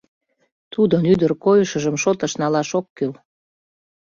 — Тудын ӱдыр койышыжым шотыш налаш ок кӱл.